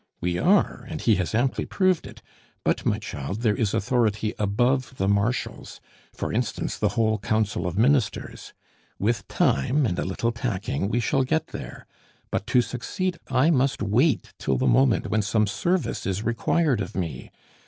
"We are, and he has amply proved it; but, my child, there is authority above the Marshal's for instance, the whole Council of Ministers. With time and a little tacking, we shall get there. But, to succeed, I must wait till the moment when some service is required of me.